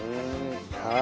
はい。